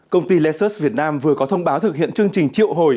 công ty lexus việt nam vừa có thông báo thực hiện chương trình triệu hồi